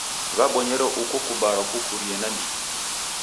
W'abonyere uko kubarwa kukurie nandighi.